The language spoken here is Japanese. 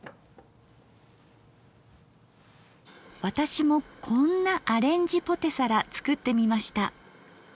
私もこんなアレンジポテサラ作ってみました。